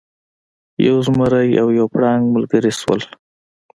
یو زمری او یو پړانګ ملګري شول.